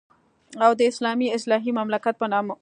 او د اسلامي اصلاحي مملکت په نامه.